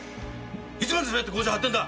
いつまでそうやって強情張ってんだ？